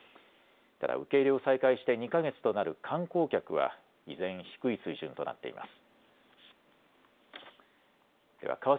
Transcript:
ただ、受け入れを再開して２か月となる観光客は、依然、低い水準となっています。